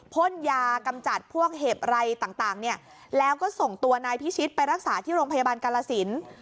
พ่นยากำจัดพวกเห็บไรต่างเนี่ยแล้วก็ส่งตัวนายพิชิตไปรักษาที่โรงพยาบาลกาลสิน